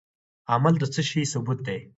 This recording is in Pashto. عمل د څه شي ثبوت دی؟